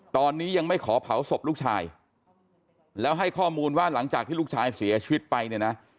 ตอนนี้ยังไม่ขอเผาศพลูกชายแล้วให้ข้อมูลว่าหลังจากที่ลูกชายเสียชีวิตไปเนี่ยนะ